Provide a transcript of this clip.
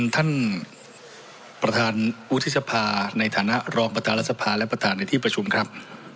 ท่านประธานวุฒิสภาในฐานะรองประธานรัฐสภาและประธานในที่ประชุมครับ